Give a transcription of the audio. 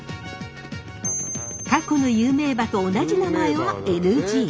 過去の有名馬と同じ名前はＮＧ。